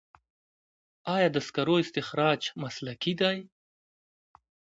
آیا د سکرو استخراج مسلکي دی؟